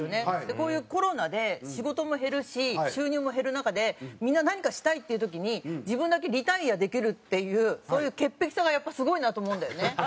こういうコロナで仕事も減るし収入も減る中でみんな何かしたいっていう時に自分だけリタイアできるっていうそういう潔癖さがやっぱすごいなと思うんだよね。